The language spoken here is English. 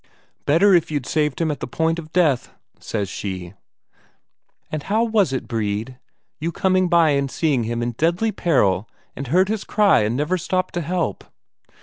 "Better if you'd saved him at the point of death," says she. "And how was it, Brede, you coming by and seeing him in deadly peril and heard his cry and never stopped to help?"